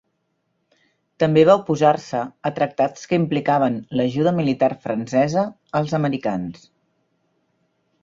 També va oposar-se a tractats que implicaven l'ajuda militar francesa als americans.